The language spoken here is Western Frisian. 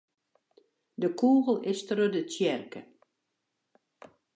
De kûgel is troch de tsjerke.